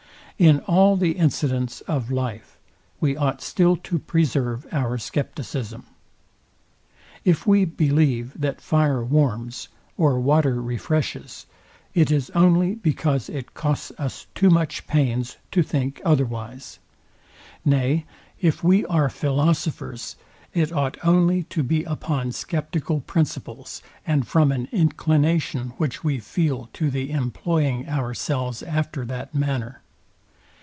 In all the incidents of life we ought still to preserve our scepticism. If we believe, that fire warms, or water refreshes, it is only because it costs us too much pains to think otherwise. Nay if we are philosophers, it ought only to be upon sceptical principles, and from an inclination, which we feel to the employing ourselves after that manner.